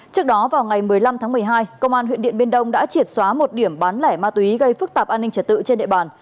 trước đó vào ngày một mươi năm tháng một mươi hai công an huyện điện biên đông đã triệt xóa một điểm bán lẻ ma túy gây phức tạp an ninh trật tự trên địa bàn